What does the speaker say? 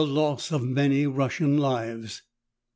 113 loss of many Russian lives.